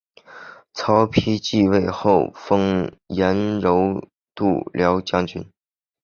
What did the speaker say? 曹丕即位后封阎柔度辽将军。